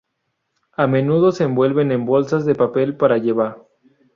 A menudo se envuelven en bolsas de papel para lleva.